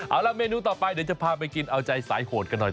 เอาล่ะเมนูต่อไปเดี๋ยวจะพาไปกินเอาใจสายโหดกันหน่อย